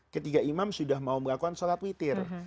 ketiga imam sudah mau melakukan sholat witir